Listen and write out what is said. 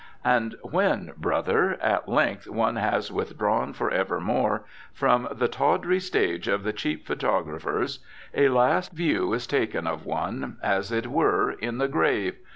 And when brother at length, one has withdrawn forevermore from the tawdry stage of the cheap photographer's, a last view is taken of one, as it were, in the grave.